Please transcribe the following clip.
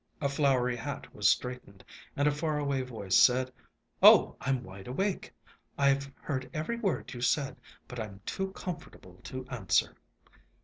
A flowery hat was straightened, and a far away voice said, "Oh, I 'm wide awake. I 've heard every word you said, but I 'm too comfortable to answer."